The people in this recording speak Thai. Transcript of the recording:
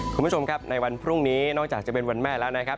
คุณผู้ชมครับในวันพรุ่งนี้นอกจากจะเป็นวันแม่แล้วนะครับ